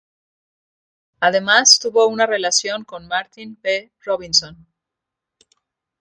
Además tuvo una relación con Martin P. Robinson.